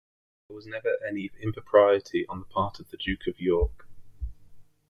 There was never any impropriety on the part of The Duke of York.